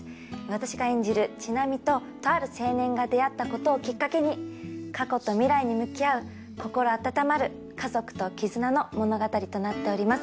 私が演じる千波ととある青年が出会ったことをきっかけに過去と未来に向き合う心温まる家族と絆の物語となっております。